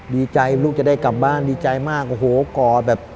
ดีใจลูกจะได้กลับบ้านดีใจมากโอ้โหกอดแบบ